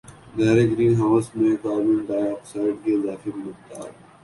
دھر greenhouse میں carbon dioxide کی اضافی مقدار